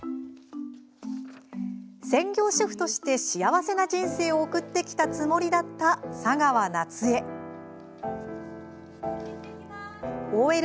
専業主婦として幸せな人生を送ってきたつもりだった佐川夏江。